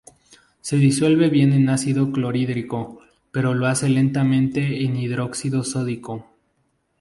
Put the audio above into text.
Se disuelve bien en ácido clorhídrico pero lo hace lentamente en hidróxido sódico.